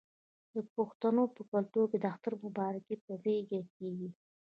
د پښتنو په کلتور کې د اختر مبارکي په غیږ کیږي.